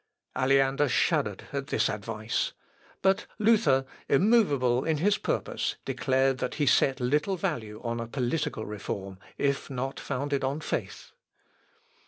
Aleander shuddered at this advice. But Luther, immovable in his purpose, declared that he set little value on a political reform, if not founded on faith.